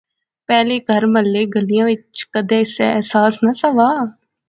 پہلے کہر، محلے، گلیا وچ کیدے اس ایہہ احساس نہسا وہا